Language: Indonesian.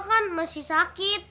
kakak kan masih sakit